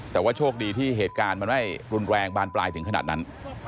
แต่ว่าโชคดีที่เหตุการณ์มันไม่รุนแรงบานปลายถึงขนาดนั้น